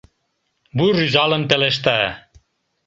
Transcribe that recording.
Вуй рӱзалын пелешта: